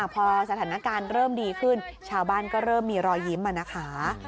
พอสถานการณ์เริ่มดีขึ้นชาวบ้านก็เริ่มมีรอยยิ้มนะคะ